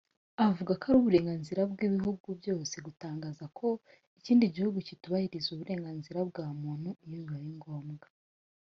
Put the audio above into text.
avuga ko ari uburenganzira bw’ibihugu byose gutangaza ko ikindi gihugu kitubahiriza uburenganzira bwa muntu iyo bibaye ngombwa